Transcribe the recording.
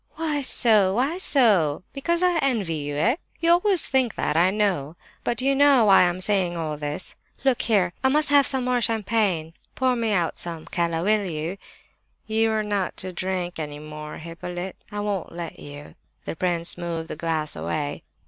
"Why so? why so? Because I envy you, eh? You always think that, I know. But do you know why I am saying all this? Look here! I must have some more champagne—pour me out some, Keller, will you?" "No, you're not to drink any more, Hippolyte. I won't let you." The prince moved the glass away.